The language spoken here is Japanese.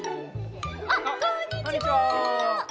あっこんにちは！